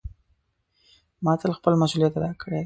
ما تل خپل مسؤلیت ادا کړی ده.